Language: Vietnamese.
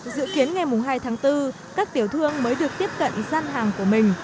dự kiến ngày hai tháng bốn các tiểu thương mới được tiếp cận gian hàng của mình